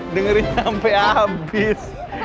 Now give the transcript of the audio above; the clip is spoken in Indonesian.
dengerin sampai habis